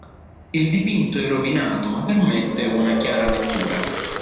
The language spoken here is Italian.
Il dipinto è rovinato ma permette una chiara lettura.